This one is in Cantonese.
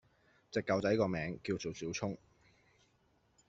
隻狗仔個名叫做小聰